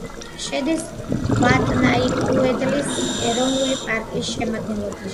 შედის ვატნაიეკუდლის ეროვნული პარკის შემადგენლობაში.